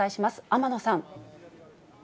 天野さん。